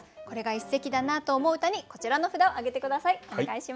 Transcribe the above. これが一席だなと思う歌にこちらの札を挙げて下さい。